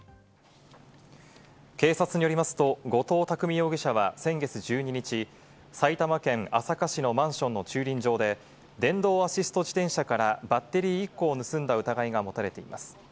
警察によりますと、後藤巧容疑者は先月１２日、埼玉県朝霞市のマンションの駐輪場で、電動アシスト自転車からバッテリー１個を盗んだ疑いが持たれています。